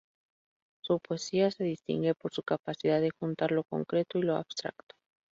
Su poesía se distingue por su capacidad de juntar lo concreto y lo abstracto.